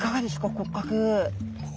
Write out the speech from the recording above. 骨格。